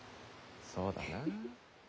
そうだな。